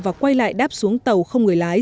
và quay lại đáp xuống tàu không người lái